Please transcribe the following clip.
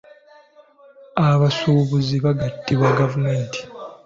Abasuubuzi baagattibwa gavumenti.